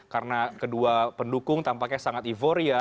karena kedua pendukung tampaknya sangat ivoria